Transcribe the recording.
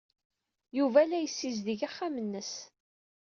Yuba la yessizdig axxam-nnes.